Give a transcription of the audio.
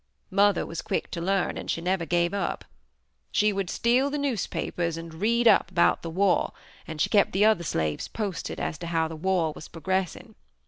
Mother was quick to learn and she never gave up. She would steal the newspapers and read up about the war, and she kept the other slaves posted as to how the war was progressing.